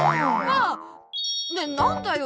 わあ！ねえなんだよ？